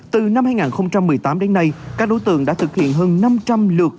từ năm hai nghìn một mươi tám đến nay các đối tượng đã thực hiện hơn năm trăm linh lượt